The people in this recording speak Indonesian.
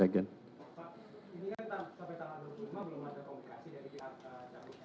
pak ini kan sampai tanggal dua puluh lima belum ada komunikasi dari pihak kpk